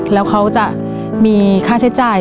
แล้วเขาจะมีค่าใช้จ่าย